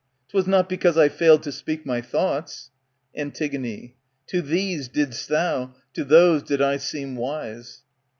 'Twas not because I failed to speak my thoughts. Antig, To these did'st thou, to those did I seem wise.